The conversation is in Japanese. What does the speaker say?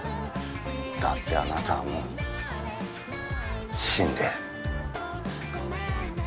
だってあなたはもう死んでる。